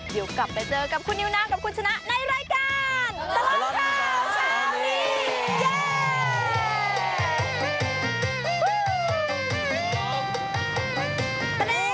เดี๋ยวกลับไปเจอกับคุณนิวนาวกับคุณชนะในรายการตลอดข่าว